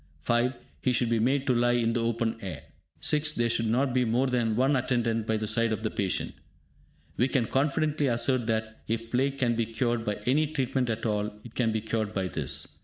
(5) He should be made to lie in the open air. (6) There should not be more than one attendant by the side of the patient. We can confidently assert that, if plague can be cured by any treatment at all, it can be cured by this.